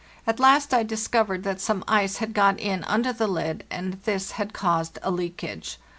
At last I discovered that some ice had got in under the lid, and this had caused a leakage.